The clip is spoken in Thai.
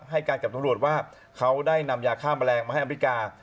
ให้การกับตำรวจว่าเขาได้นำยาฆ่าแมลงมาให้อเมริกา